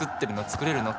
作れるの？